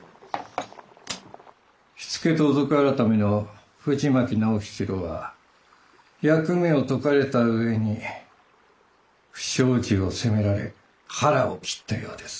火付盗賊改の藤巻直七郎は役目を解かれた上に不祥事を責められ腹を切ったようです。